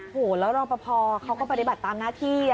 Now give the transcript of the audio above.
โหแล้วรอปภเขาก็ปฏิบัติตามหน้าที่